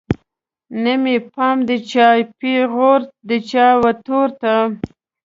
نه مې پام د چا پیغور د چا وتور ته